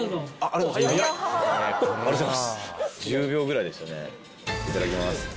いただきます。